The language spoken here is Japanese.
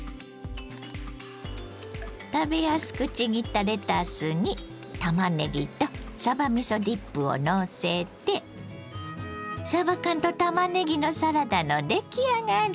食べやすくちぎったレタスにたまねぎとさばみそディップをのせてさば缶とたまねぎのサラダの出来上がり。